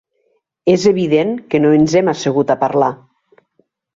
És evident que no ens hem assegut a parlar.